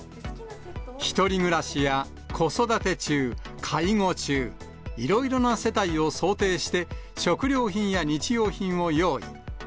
１人暮らしや子育て中、介護中、いろいろな世帯を想定して、食料品や日用品を用意。